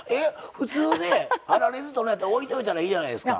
普通ね粗熱取るんやったらおいといたらいいやないですか。